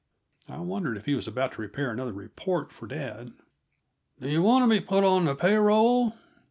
I wondered if he was about to prepare another report for dad. "Do yuh want to be put on the pay roll?"